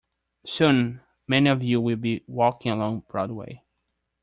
Soon many of you will be walking along Broadway.